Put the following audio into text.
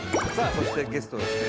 そしてゲストですね。